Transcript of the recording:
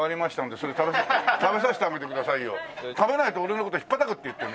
食べないと俺の事ひっぱたくって言ってる。